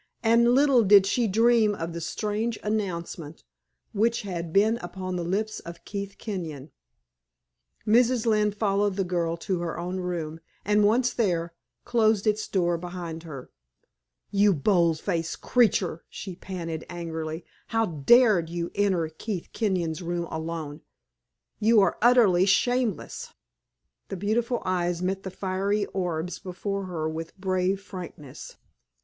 And little did she dream of the strange announcement which had been upon the lips of Keith Kenyon. Mrs. Lynne followed the girl to her own room, and once there, closed its door behind her. "You bold faced creature!" she panted, angrily, "How dared you enter Keith Kenyon's room alone? You are utterly shameless!" The beautiful eyes met the fiery orbs before her with brave frankness. "Mr.